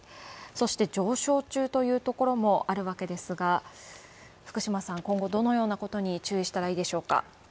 そして上昇中というところもあるわけですが、今後どのようなことに注意したらいいでしょうか？